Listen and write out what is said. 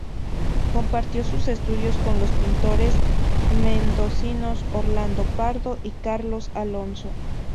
Compartió sus estudios con los pintores mendocinos Orlando Pardo y Carlos Alonso.